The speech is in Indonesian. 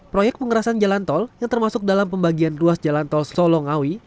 proyek pengerasan jalan tol yang termasuk dalam pembagian ruas jalan tol solongawi